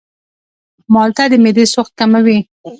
مالټه د معدې سوخت کموي.